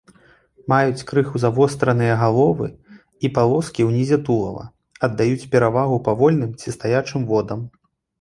Маюць крыху завостраныя галовы і палоскі ўнізе тулава, аддаюць перавагу павольным ці стаячым водам.